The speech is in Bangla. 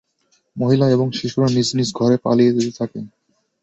মহিলা এবং শিশুরা নিজ নিজ ঘরে পালিয়ে যেতে থাকে।